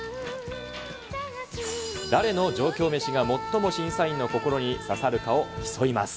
誰の上京メシが最も審査員の心に刺さるかを競います。